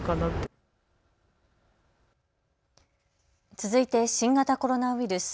続いて新型コロナウイルス。